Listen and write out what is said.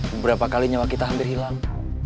beberapa kali nyawa kita hampir hilang